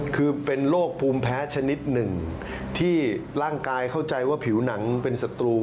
คือเป็นโรคภูมิแพ้ชนิดหนึ่งที่ร่างกายเข้าใจว่าผิวหนังเป็นศัตรู